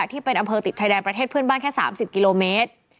ที่เป็นอำเภอติดชายแดนประเทศเพื่อนบ้านแค่๓๐กิโลเมตร